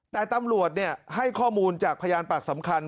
แต่ตำรวจให้ข้อมูลจากพยานปากสำคัญ